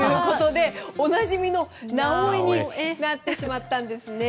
おなじみの、なおエになってしまったんですね。